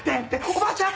「おばあちゃん